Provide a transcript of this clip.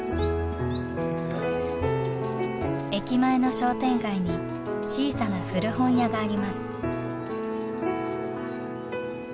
駅前の商店街に小さな古本屋があります。